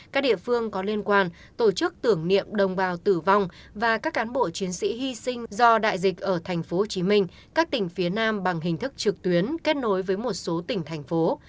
các địa phương có liên quan tổ chức tưởng niệm đồng bào tử vong và các cán bộ chiến sĩ hy sinh do đại dịch ở tp hcm các tỉnh phía nam bằng hình thức trực tuyến kết nối với một số tỉnh thành phố